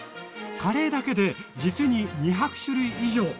カレーだけで実に２００種類以上。